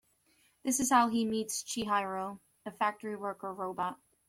This is how he meets Chihiro, a factory worker robot.